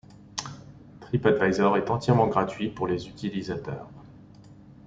TripAdvisor est entièrement gratuit pour les utilisateurs.